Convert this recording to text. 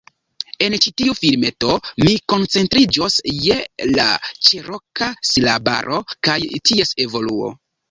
En ĉi tiu filmeto, mi koncentriĝos je la Ĉeroka silabaro kaj ties evoluo